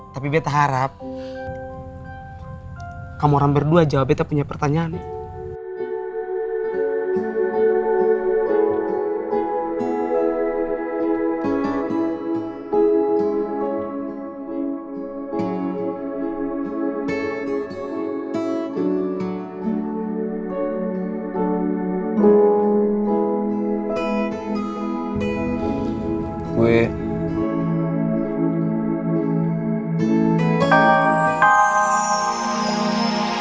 tapi beta harap kamu orang berdua jawab beta punya pertanyaannya